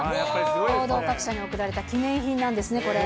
報道各社に贈られた記念品なんですね、これ。